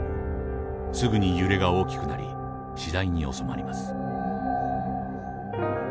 すぐに揺れが大きくなり次第に収まります。